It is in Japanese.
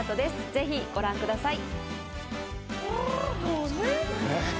ぜひご覧ください。